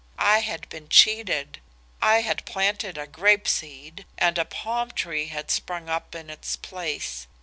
I had been cheated; I had planted a grape seed and a palm tree had sprung up in its place.